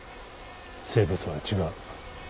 生物は違う。